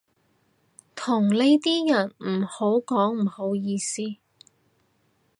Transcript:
同呢啲人唔好講唔好意思